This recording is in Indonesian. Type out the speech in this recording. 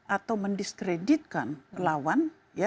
atau mendiskreditkan lawan